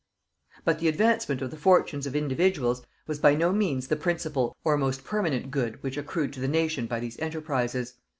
But the advancement of the fortunes of individuals was by no means the principal or most permanent good which accrued to the nation by these enterprises.